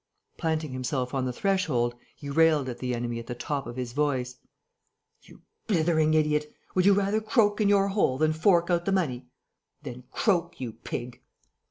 Planting himself on the threshold, he railed at the enemy at the top of his voice: "You blithering idiot, would you rather croak in your hole than fork out the money? Then croak, you pig!"